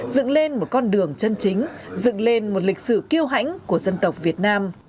dựng lên một con đường chân chính dựng lên một lịch sử kiêu hãnh của dân tộc việt nam